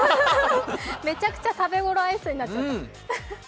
めちゃくちゃ食べ頃アイスになっちゃった。